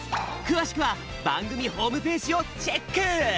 くわしくはばんぐみホームページをチェック！